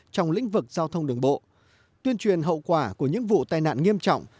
trong lĩnh vực giao thông đường bộ tuyên truyền hậu quả của những vụ tai nạn nghiêm trọng